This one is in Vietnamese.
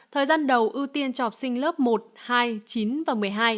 thời gian đầu ưu tiên cho học sinh lớp một hai chín và một mươi hai